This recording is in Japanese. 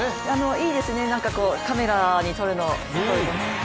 いいですね、カメラに撮るとね。